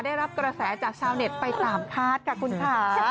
ได้รับกระแสจากชาวเน็ตไปตามคาดค่ะคุณค่ะ